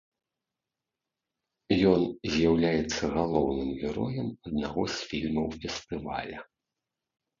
Ён з'яўляецца галоўным героем аднаго з фільмаў фестываля.